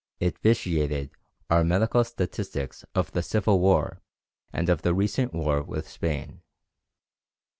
It vitiated our medical statistics of the Civil War and of the recent war with Spain.